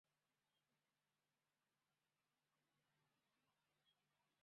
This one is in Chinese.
兰舒凯马杜是巴西圣卡塔琳娜州的一个市镇。